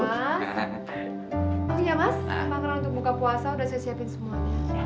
oh iya mas emang orang untuk buka puasa udah saya siapin semua